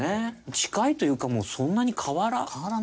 近いというかもうそんなに変わらない。